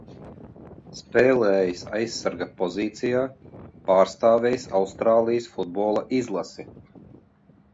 Spēlējis aizsarga pozīcijā, pārstāvējis Austrālijas futbola izlasi.